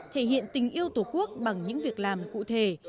thể hiện tình yêu tổ quốc bằng những việc làm cụ thể